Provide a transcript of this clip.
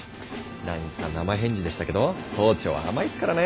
何か生返事でしたけど総長は甘いですからね。